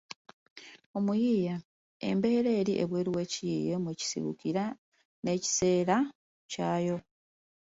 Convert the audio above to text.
omuyiiya, embeera eri ebwelu w’ekiyiiye mwe kisibukira n’ekiseera kyayo.